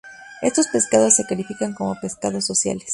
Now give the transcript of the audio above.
Estos pecados se califican como pecados sociales.